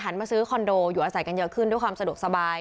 มาซื้อคอนโดอยู่อาศัยกันเยอะขึ้นด้วยความสะดวกสบาย